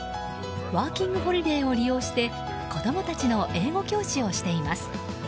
ワーキングホリデーを利用して子供たちの英語教師をしています。